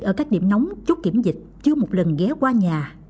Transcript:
ở các điểm nóng chốt kiểm dịch chưa một lần ghé qua nhà